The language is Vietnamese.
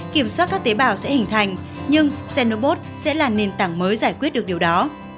kiểm soát các tế bào sẽ hình thành nhưng sen robot sẽ là nền tảng mới giải quyết được điều đó